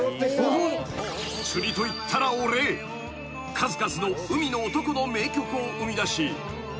［数々の海の男の名曲を生みだし］